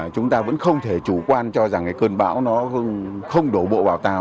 chúng ta vẫn không thể chủ quan cho rằng cơn bão nó không đổ bộ vào tàu